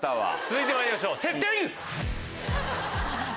続いてまいりましょう。